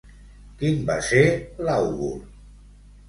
Quin va ser l'àugur?